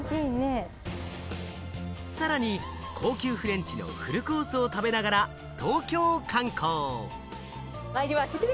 さらに高級フレンチのフルコースを食べながら東京観光。